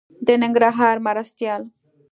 د ننګرهار مرستيال